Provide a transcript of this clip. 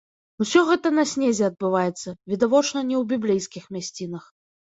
Усё гэта на снезе адбываецца, відавочна не ў біблейскіх мясцінах.